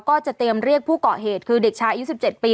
ก็จะเตรียมเรียกผู้เกาะเหตุคือเด็กชายอายุ๑๗ปี